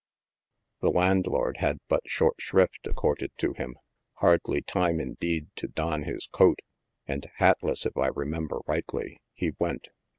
The landlord had but short shrift accorded to him — hardly time, indeed, to don his coat — and hatless, if I remem ber rightly, he went.